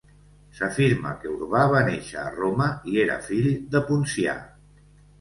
S'afirma que Urbà va néixer a Roma i era fill de Poncià.